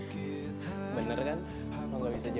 lu bakal pindah sekolah di sana